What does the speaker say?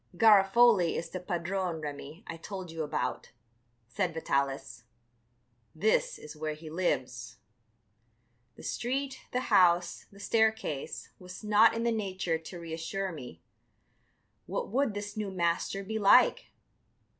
"Garofoli is the padrone, Remi, I told you about," said Vitalis; "this is where he lives." The street, the house, the staircase was not in the nature to reassure me. What would this new master be like?